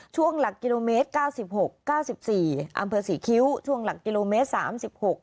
ช่วงหลักกิโลเมตรเก้าสิบหกเก้าสิบสี่อำเภอศรีคิ้วช่วงหลักกิโลเมตรสามสิบหก